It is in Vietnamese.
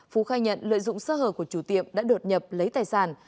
phú khai nhận lợi dụng sơ hở của chủ tiệm đã đột nhập lấy tài sản